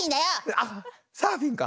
あっサーフィンか。